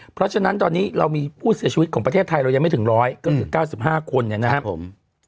เพราะฉะนั้นตอนนี้เรามีผู้เสียชีวิตของประเทศไทยเรายังไม่ถึง๑๐๐ก็คือ๙๕คนเนี่ยนะครับผม